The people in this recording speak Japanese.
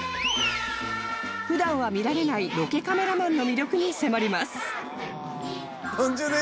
普段は見られないロケカメラマンの魅力に迫ります